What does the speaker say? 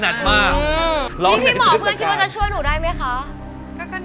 นี่พี่หมอเพื่อนคิดว่าจะช่วยหนูได้ไหมคะ